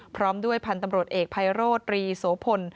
พร้อมด้วยพันธุ์ตำรวจเอกภัยโรธตรีโสพล